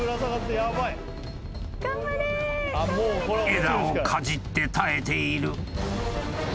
［枝をかじって耐えている］